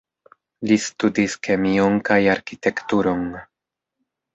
Li studis kemion kaj arkitekturon.